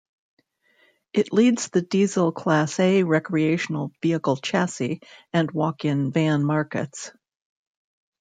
It leads the diesel Class A recreational vehicle chassis and walk-in van markets.